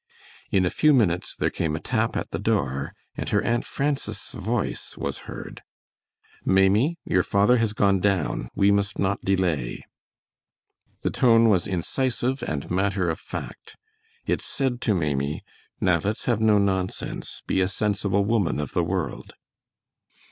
In a few minutes there came a tap at the door, and her Aunt Frances's voice was heard, "Maimie, your father has gone down; we must not delay." The tone was incisive and matter of fact. It said to Maimie, "Now let's have no nonsense. Be a sensible woman of the world."